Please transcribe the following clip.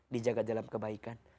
dijaga dalam kebaikan